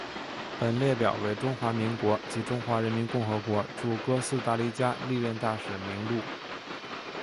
本列表为中华民国及中华人民共和国驻哥斯达黎加历任大使名录。